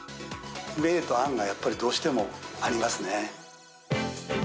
明と暗がやっぱりどうしてもありますね。